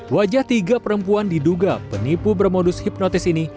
wajah tiga perempuan diduga penipu bermodus hipnotis ini